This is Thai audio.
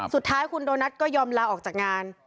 สุดท้ายคุณโดนัทก็ยอมลาออกจากงาน